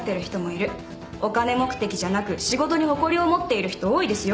お金目的じゃなく仕事に誇りを持っている人多いですよ。